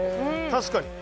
確かに。